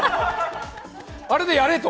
あれでやれと？